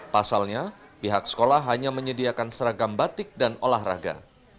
pasalnya pihak sekolah hanya menyediakan seragam batik dan olahraga